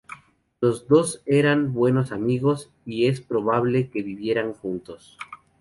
Los dos eran buenos amigos, y es probable que vivieran juntos.